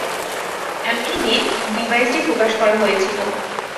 একই দিন ডিভাইসটি প্রকাশ করা হয়েছিল।